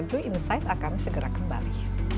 bree insight akan segera kembali